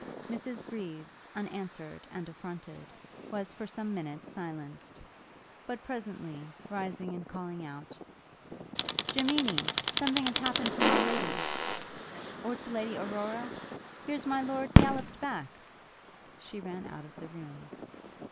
Mrs Greaves, unanswered and affronted, was for some minutes silenced; but, presently, rising and calling out, 'Gemini! something has happened to my Lady, or to Lady Aurora? Here's My Lord gallopped back!' she ran out of the room.